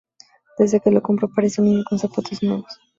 Desde que se lo compró, parece un niño con zapatos nuevos